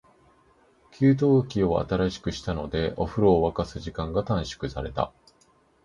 給湯器を新しくしたので、お風呂を沸かす時間が短縮された。